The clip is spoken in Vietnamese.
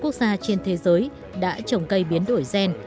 ba mươi chín quốc gia trên thế giới đã trồng cây biến đổi gen